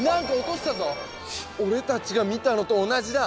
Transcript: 俺たちが見たのと同じだ！